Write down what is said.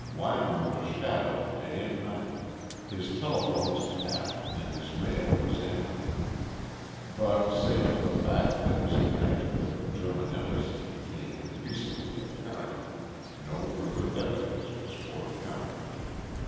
Weimar was shadowed day and night, his telephones tapped and his mail examined. But, save for the fact that his connection with the German embassy became increasingly apparent, no further evidence was forthcoming.